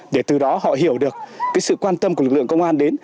để từ đó họ hiểu được sự quan tâm của lực lượng công an đến